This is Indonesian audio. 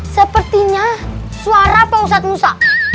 sepertinya suara apa ustadz musa